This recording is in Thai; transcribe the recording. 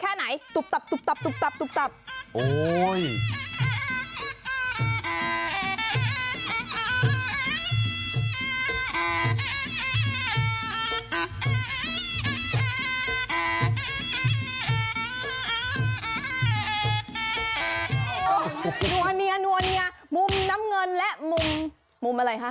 นวเนียมุมน้ำเงินและมุมมุมอะไรฮะ